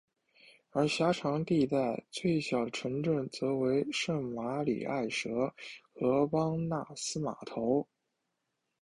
而狭长地带最小的城镇则为圣玛里埃什和邦纳斯码头。